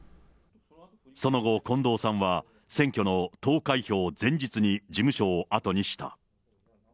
その後、近藤さんは、選挙の投開票前日に事務所を後にした。